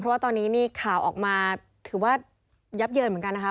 เพราะว่าตอนนี้นี่ข่าวออกมาถือว่ายับเยินเหมือนกันนะคะ